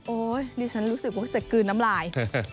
ดิฉันรู้สึกว่าจะกลืนน้ำลาย